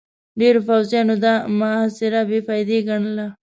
ډېرو پوځيانو دا محاصره بې فايدې ګڼله.